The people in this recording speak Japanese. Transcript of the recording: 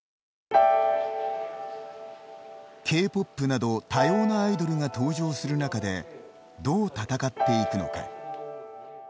Ｋ−ＰＯＰなど多様なアイドルが登場する中でどう戦っていくのか。